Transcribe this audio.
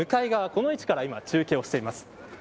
この位置から今中継しています。